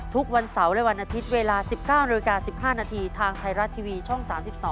ทุกวันเสาร์และวันอาทิตย์เวลา๑๙นาฬิกา๑๕นาทีทางไทยรัฐทีวีช่อง๓๒